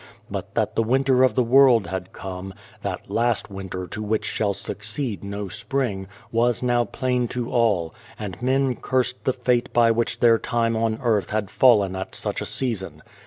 But that the winter of the world had come that last winter to which shall succeed no spring, was now plain to all ; and men cursed the fate by which their time on earth had fallen at such a season.